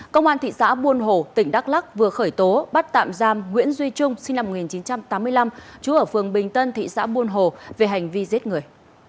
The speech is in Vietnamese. công an thị xã buôn hồ tỉnh đắk lắc vừa khởi tố bắt tạm giam nguyễn duy trung sinh năm một nghìn chín trăm tám mươi năm chú ở phường bình tân thị xã buôn hồ về hành vi giết người